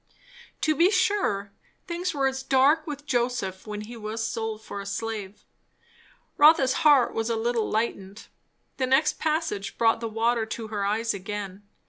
To be sure, things were as dark with Joseph when he was sold for a slave. Rotha's heart was a little lightened. The next passage brought the water to her eyes again.